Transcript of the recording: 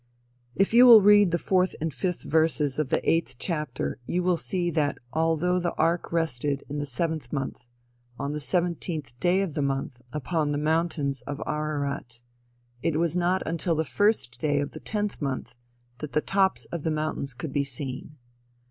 If you will read the fourth and fifth verses of the eight chapter you will see that although the ark rested in the seventh month, on the seventeenth day of the month, upon the mountains of Ararat, it was not until the first day of the tenth month "that the tops of the mountains could be seen."